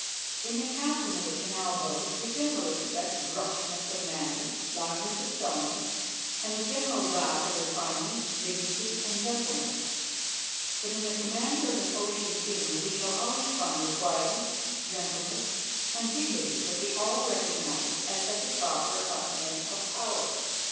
In the captain of a canal boat we generally expect gruffness of manner, loudness of tones, and a general lack of refinement, dignity, and gentleness; but in the commander of an ocean steamer we shall always find the quietness, gentleness, and dignity that we all recognize as such a proper accompaniment of power.